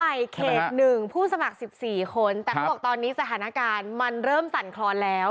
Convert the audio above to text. เครกฏหนึ่งผู้สมัครสิบสี่คนแต่ก็บอกตอนนี้สถานการณ์มันเริ่มสั่นคลอนแล้ว